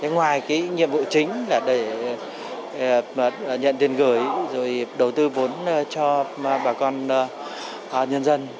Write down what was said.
ngoài cái nhiệm vụ chính là để nhận tiền gửi rồi đầu tư vốn cho bà con nhân dân